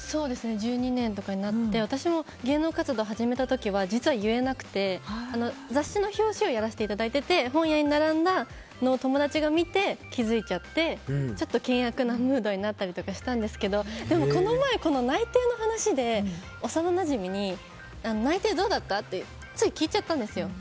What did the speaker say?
１２年とかになって私も芸能活動を始めた時は実は言えなくて、雑誌の表紙をやらせていただいてて本屋に並んだのを友達が見て気づいちゃってちょっと険悪なムードになったんですけどでもこの前、内定の話で幼なじみに内定どうだった？ってつい聞いちゃったんですよ。